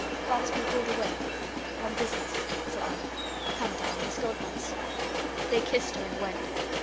"Father's been called away on business," said Mother. "Come, darlings, go at once." They kissed her and went.